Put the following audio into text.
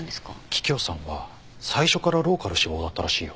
桔梗さんは最初からローカル志望だったらしいよ。